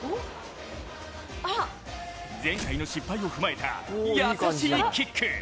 前回の失敗を踏まえた優しいキック。